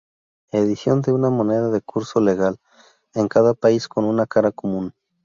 Edición de una moneda de curso legal en cada país con una cara común